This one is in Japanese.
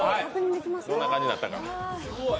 どんな感じになったか。